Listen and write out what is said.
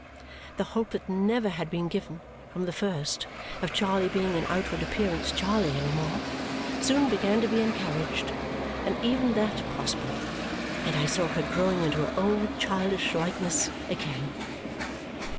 The hope that never had been given, from the first, of Charley being in outward appearance Charley any more soon began to be encouraged; and even that prospered, and I saw her growing into her old childish likeness again.